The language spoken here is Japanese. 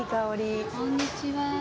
こんにちは。